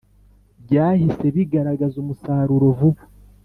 Byahise bigaragaza umusaruro vuba